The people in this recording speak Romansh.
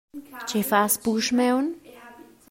Tgei fas pusmaun?